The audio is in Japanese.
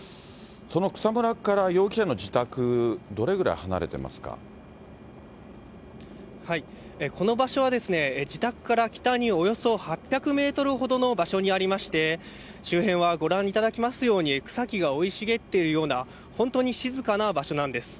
その草むらから容疑者の自宅、この場所は、自宅から北におよそ８００メートルほどの場所にありまして、周辺はご覧いただきますように、草木が生い茂っているような、本当に静かな場所なんです。